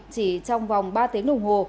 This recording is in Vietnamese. chỉ trong vòng ba tiếng đồng hồ